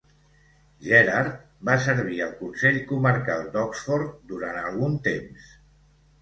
Gerard va servir al Consell Comarcal d'Oxford durant algun temps.